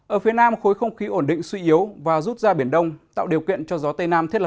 ở phía nam khối không khí ổn định suy yếu và rút ra biển đông tạo điều kiện cho gió tây nam thiết lập